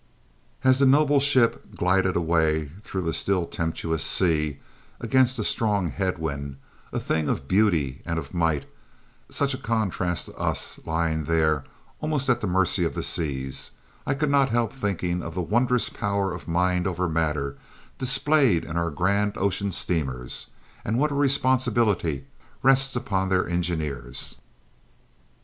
As the noble ship glided away through the still tempestuous sea against a strong headwind, a thing of beauty and of might such a contrast to us lying there, almost at the mercy of the seas I could not help thinking of the wondrous power of mind over matter displayed in our grand ocean steamers, and what a responsibility rests upon their engineers!